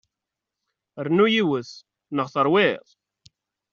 Rnu yiwet, neɣ terwiḍ?